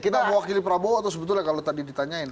kita mewakili prabowo atau sebetulnya kalau tadi ditanyain